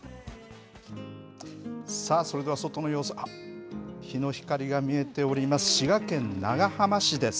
さあ、それでは外の様子、あっ、日の光が見えております、滋賀県長浜市です。